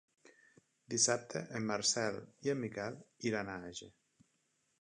Dissabte en Marcel i en Miquel iran a Àger.